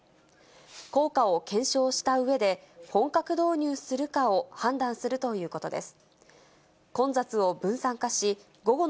効果を検証したうえで、本格導入するかを判断するということです。